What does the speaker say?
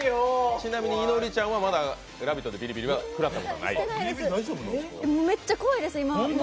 ちなみにいのりちゃんは「ラヴィット！」でビリビリは食らったことない？